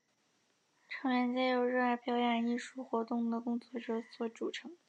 成员皆由热爱表演艺术活动的工作者所组成。